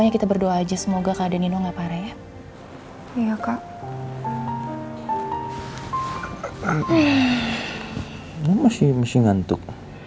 kamu masih ngantuk